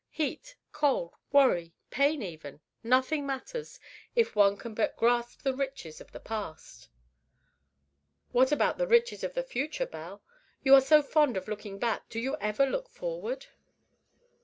Heat, cold, worry, pain even, nothing matters if one can but grasp the riches of the past." "But what about the riches of the future, Belle? You are so fond of looking back: do you never look forward?"